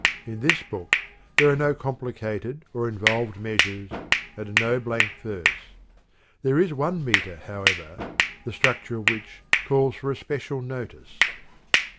In this book there are no complicated or involved measures, and no blank verse. There is one metre, however, the structure of which calls for especial notice.